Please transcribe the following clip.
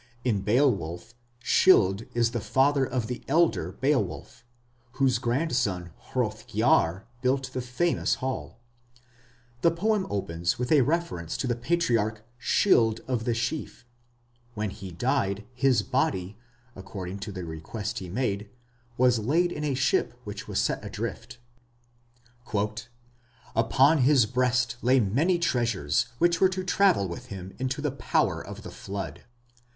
In Beowulf Scyld is the father of the elder Beowulf, whose grandson Hrothgar built the famous Hall. The poem opens with a reference to the patriarch "Scyld of the Sheaf". When he died, his body, according to the request he had made, was laid in a ship which was set adrift: Upon his breast lay many treasures which were to travel with him into the power of the flood.